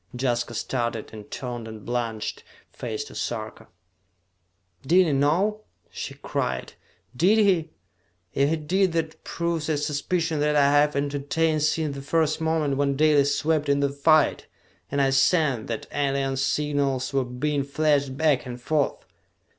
Jaska started, and turned a blanched face to Sarka. "Did he know?" she cried. "Did he? If he did that proves a suspicion that I have entertained since the first moment when Dalis swept into the fight, and I sensed that alien signals were being flashed back and forth!"